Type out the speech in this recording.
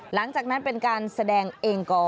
หลังจากนั้นเป็นการแสดงเองกอ